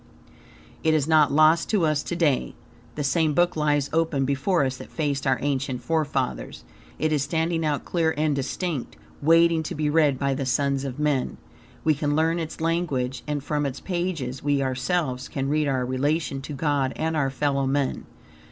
It is not lost to us to day. The same book lies open before us that faced our ancient forefathers. It is standing out clear and distinct, waiting to be read by the sons of men. We can learn its language, and from its pages, we ourselves can read our relation to God and our fellowman.